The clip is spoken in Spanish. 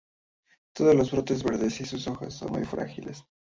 Tanto los brotes verdes y sus hojas son muy frágiles.